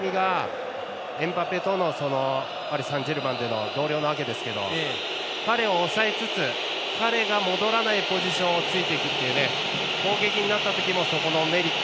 エムバペとのパリサンジェルマンの同僚ですが彼を抑えつつ彼が戻らないポジションをついていくという攻撃になった時もそこのメリット